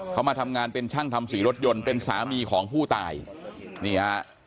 เขามาทำงานเป็นช่างทำสีรถยนต์เป็นสามีของผู้ตายนี่ฮะ